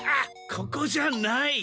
ここじゃない！